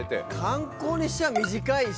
観光にしちゃ短いし。